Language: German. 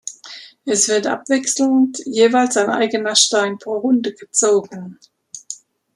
Es wird abwechselnd jeweils ein eigener Stein pro Runde gezogen.